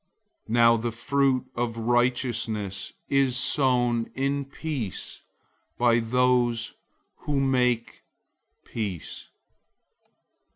003:018 Now the fruit of righteousness is sown in peace by those who make peace.